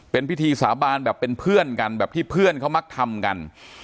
เป็นพิธีสาบานแบบเป็นเพื่อนกันแบบที่เพื่อนเขามักทำกัน